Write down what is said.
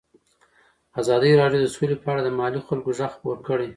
ازادي راډیو د سوله په اړه د محلي خلکو غږ خپور کړی.